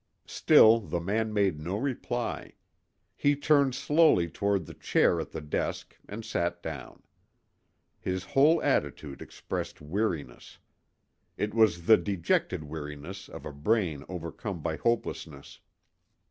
Still the man made no reply. He turned slowly toward the chair at the desk and sat down. His whole attitude expressed weariness. It was the dejected weariness of a brain overcome by hopelessness.